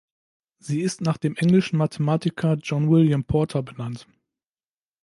Sie ist nach dem englischen Mathematiker John William Porter benannt.